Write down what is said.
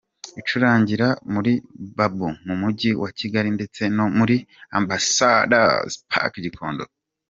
Icurangira muri Bambu mu mujyi wa Kigali ndetse no muri ambasadazi Paki i Gikondo.